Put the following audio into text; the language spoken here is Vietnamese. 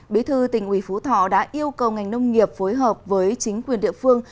bí thư tỉnh ủy phú thọ đã yêu cầu ngành nông nghiệp phối hợp với chính quyền địa phương